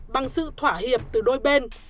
bằng sự thỏa hiệp từ đôi bên